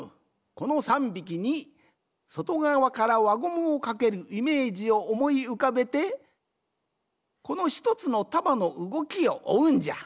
この３びきにそとがわからわゴムをかけるイメージをおもいうかべてこの１つのたばのうごきをおうんじゃ。